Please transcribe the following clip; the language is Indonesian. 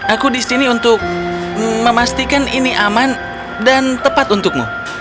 aku di sini untuk memastikan ini aman dan tepat untukmu